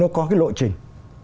nó có cái lộ trình